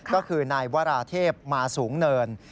ก็คือนายวราเทพมาสูงเนิน